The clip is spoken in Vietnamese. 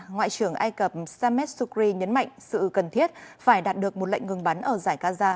ngoại trưởng ai cập samet sukri nhấn mạnh sự cần thiết phải đạt được một lệnh ngừng bắn ở giải gaza